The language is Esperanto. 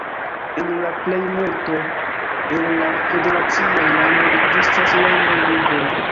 En la plejmulto el la federaciaj landoj ekzistas landaj ligoj.